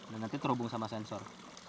nanti terhubung sama sensor